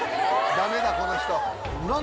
ダメだこの人。